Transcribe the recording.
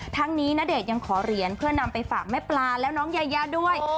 ทั้งนี้ณเดชน์ยังขอเหรียญเพื่อนำไปฝากแม่ปลาและน้องยายาด้วย